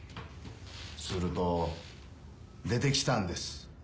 すると出て来たんです。